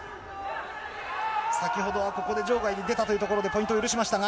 先ほどはここで場外に出たというところでポイントを許しましたが。